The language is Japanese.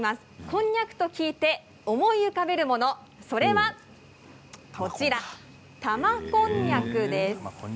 こんにゃくと聞いて思い浮かべるもの、それはこちら玉こんにゃくです。